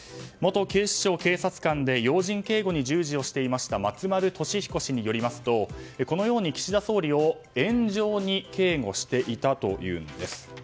元警察官で要人警護に従事をしていた松丸俊彦氏によりますとこのように岸田総理を円状に警護していたというんです。